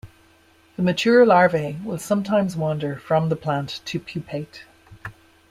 The mature larvae will sometimes wander from the plant to pupate.